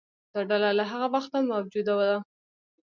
دا ډله له هغه وخته موجوده ده.